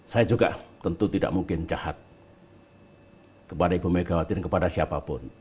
saya juga tentu tidak mungkin jahat kepada ibu megawati dan kepada siapapun